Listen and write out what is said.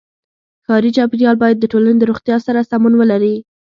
ښاري چاپېریال باید د ټولنې د روغتیا سره سمون ولري.